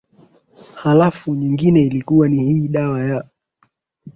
alafu nyingine ilikuwa ni ni hii dawa ya